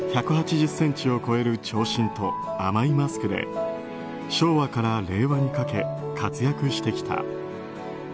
１８０ｃｍを超える長身と甘いマスクで昭和から令和にかけ活躍してきた。